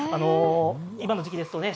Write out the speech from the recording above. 今の時期ですとね